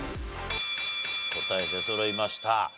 答え出そろいました。